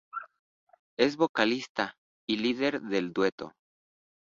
Es vocalista y líder del dueto.